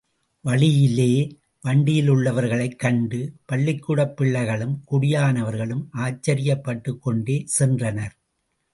வழியிலே வண்டியிலுள்ளவர்களைக் கண்டு பள்ளிக்கூடப் பிள்ளைகளும் குடியானவர்களும் ஆச்சரியப்பட்டுக்கொண்டே சென்றனர்.